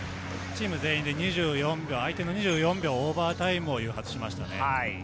チーム全員で２４秒、相手の２４秒、オーバータイムを誘発しましたね。